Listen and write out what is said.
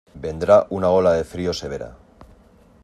Vendrá una ola de frío severa.